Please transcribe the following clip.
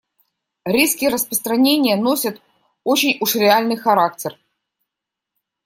Риски распространения носят очень уж реальный характер.